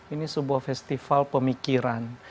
ini sebuah festival pemikiran